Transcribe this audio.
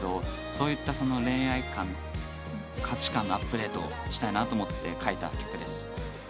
そういった恋愛観価値観のアップデートしたいなと思って書いた曲です。